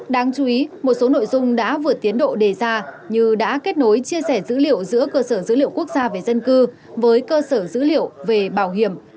đáng chú ý một số nội dung đã vượt tiến độ đề ra như đã kết nối chia sẻ dữ liệu giữa cơ sở dữ liệu quốc gia về dân cư với cơ sở dữ liệu về bảo hiểm